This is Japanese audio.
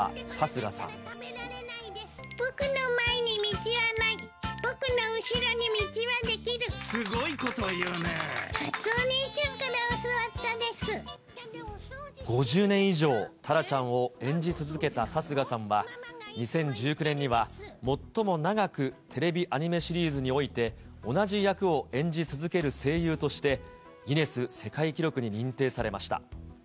カツオ兄ちゃんから教わった５０年以上、タラちゃんを演じ続けた貴家さんは、２０１９年には、最も長くテレビアニメシリーズにおいて同じ役を演じ続ける声優として、ギネス世界記録に認定されました。